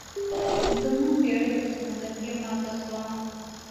زموږ بیړۍ په سمندر کې ماته شوه.